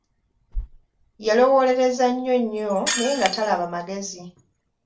Yalowoolereza nnyo nnyo naye nga talaba magezi.